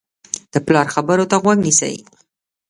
د پلار خبرو ته غوږ نیسي.